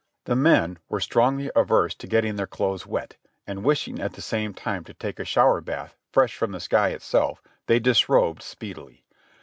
The men were strongly averse to getting their clothes wet, and wishing at the same time to take a shower bath fresh from the sky itself, they disrobed speedily.